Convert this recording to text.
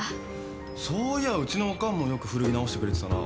そういやうちのおかんもよく古着直してくれてたな。